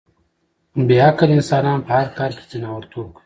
بې عقل انسانان په هر کار کې ځناورتوب کوي.